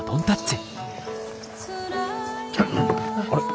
あれ？